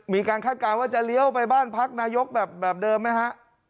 คาดการณ์ว่าจะเลี้ยวไปบ้านพักนายกแบบเดิมไหมฮะ